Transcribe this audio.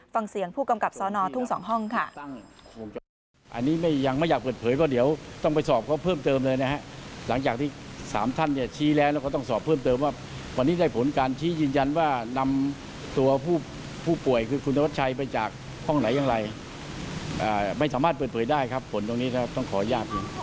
ฟังเสียงผู้กำกับสนทุ่ง๒ห้องค่ะ